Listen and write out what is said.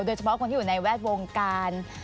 โดยเฉพาะคนที่อยู่ในแวดวงการ